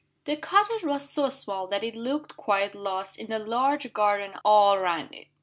The cottage was so small that it looked quite lost in the large garden all round it.